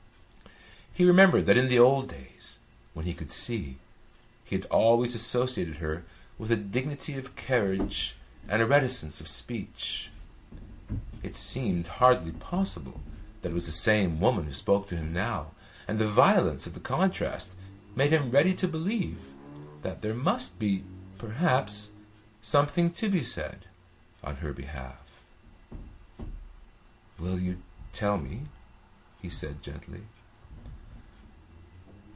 He remembered that in the old days when he could see, he had always associated her with a dignity of carriage and a reticence of speech. It seemed hardly possible that it was the same woman who spoke to him now, and the violence of the contrast made him ready to believe that there must be perhaps something to be said on her behalf. "Will you tell me?" he said gently.